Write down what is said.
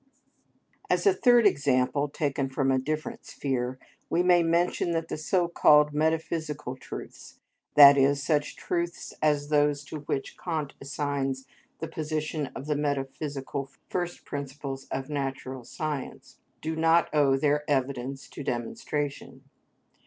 As a third example taken from a different sphere we may mention that the so called metaphysical truths, that is, such truths as those to which Kant assigns the position of the metaphysical first principles of natural science, do not owe their evidence to demonstration.